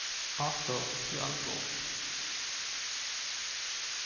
Also your uncle.